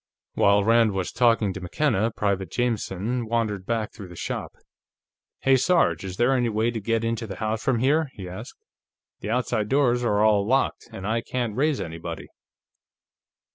While Rand was talking to McKenna, Private Jameson wandered back through the shop. "Hey, Sarge, is there any way into the house from here?" he asked. "The outside doors are all locked, and I can't raise anybody."